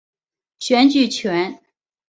选举权。